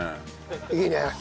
いいね。